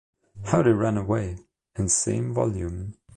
"How They Ran Away" in same volume.